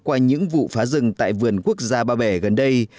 qua những vụ phá rừng tại vườn quốc gia ba bể gần đây